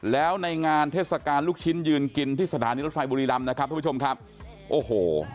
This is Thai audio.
แล้วในงานเทศกาลลูกชิ้นยืนกินที่สถานีรถไฟบุรีรำนะครับทุกผู้ชมครับโอ้โห